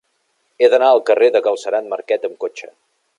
He d'anar al carrer de Galceran Marquet amb cotxe.